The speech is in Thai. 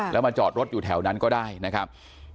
แล้วมาจอดรถอยู่แถวนั้นก็ได้นะครับ